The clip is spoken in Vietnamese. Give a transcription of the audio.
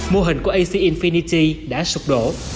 mô hình của ac infinity đã sụp đổ